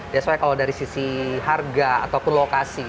biasanya kalau dari sisi harga ataupun lokasi